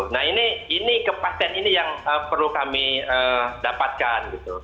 nah ini kepasien ini yang perlu kami dapatkan